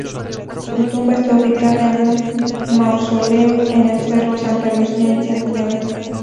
Su tumba está ubicada en un mausoleo en el cerro Santa Lucía en Santiago.